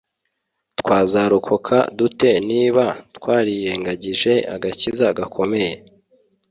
Twazarokoka dute niba twarirengagije agakiza gakomeye